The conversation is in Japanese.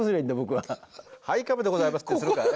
「はいカメでございます」ってするかい？